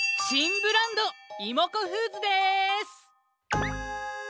ブランドイモコフーズです！